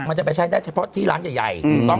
มันจะไปใช้ได้เฉพาะที่ร้านใหญ่